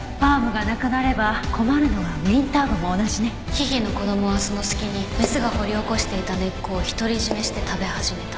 ヒヒの子供はその隙にメスが掘り起こしていた根っこを独り占めして食べ始めた。